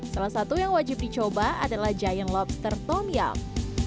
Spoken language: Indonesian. salah satu yang wajib dicoba adalah giant lobster tom yum